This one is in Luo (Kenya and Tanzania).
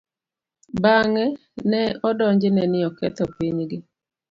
Bang'e, ne odonjne ni oketho pinygi.